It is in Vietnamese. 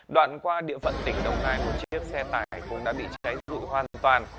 đoạn qua địa phận tỉnh đồng nai một chiếc xe tải cũng đã bị cháy dữ dội hoàn toàn